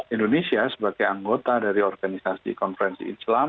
indonesia sebagai anggota dari organisasi konferensi islam